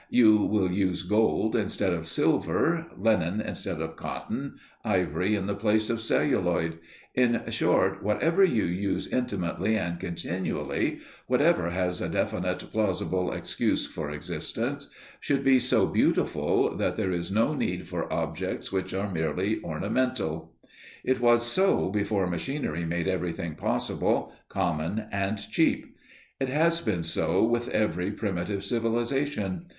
You will use gold instead of silver, linen instead of cotton, ivory in the place of celluloid; in short, whatever you use intimately and continually, whatever has a definite plausible excuse for existence, should be so beautiful that there is no need for objects which are merely ornamental. It was so before machinery made everything possible, common and cheap; it has been so with every primitive civilization.